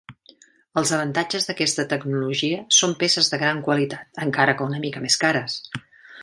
Els avantatges d'aquesta tecnologia són peces de gran qualitat, encara que una mica més cares.